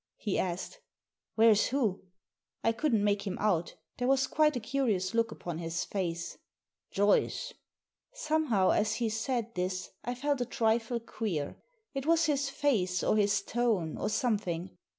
" he asked. « Where's who?" I couldn't make him out There was quite a curious look upon his face. "Joyce!" Somehow, as he said this, I felt a trifle queer. It was his face, or his tone, or something.